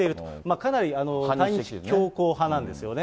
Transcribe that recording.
かなり強硬派なんですよね。